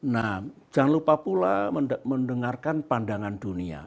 nah jangan lupa pula mendengarkan pandangan dunia